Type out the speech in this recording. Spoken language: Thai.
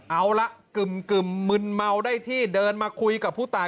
เอาละกึ่มมึนเมาได้ที่เดินมาคุยกับผู้ตาย